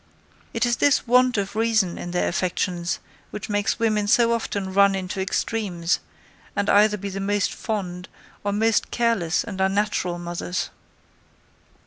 It is this want of reason in their affections which makes women so often run into extremes, and either be the most fond, or most careless and unnatural mothers.